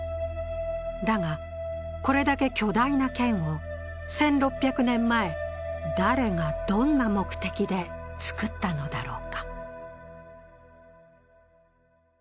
だが、これだけ巨大な剣を１６００年前、誰がどんな目的で作ったのだろうか。